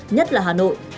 nhất là hà nội